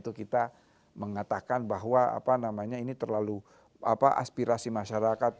kita mengatakan bahwa ini terlalu aspirasi masyarakat